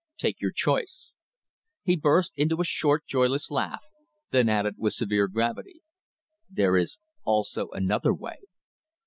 Take your choice." He burst into a short, joyless laugh, then added with severe gravity "There is also another way."